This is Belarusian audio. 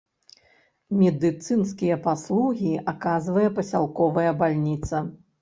Медыцынскія паслугі аказвае пасялковая бальніца.